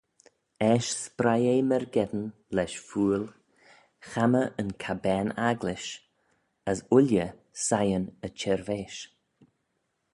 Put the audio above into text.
Eisht spreih eh myrgeddin lesh fuill chammah yn cabbane-agglish, as ooilley siyn y chirveish.